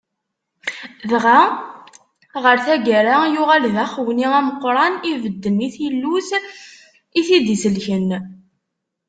Dɣa ɣer tagara yuɣal d axewni ameqqran ibedden i tillut i t-id-isellken.